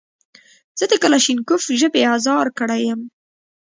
زه د کلاشینکوف ژبې ازار کړی یم.